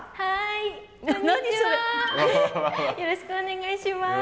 よろしくお願いします。